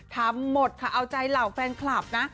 ทำหมดค่ะเอาใจเหล่าแฟนคลับนะ